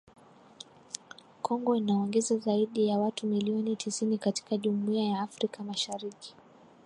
Kongo inaongeza zaidi ya watu milioni tisini katika Jumuiya ya Afrika Mashariki